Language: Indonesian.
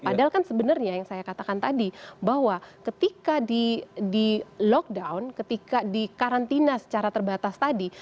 padahal kan sebenarnya yang saya katakan tadi bahwa ketika di lockdown ketika di karantina secara terbatas tadi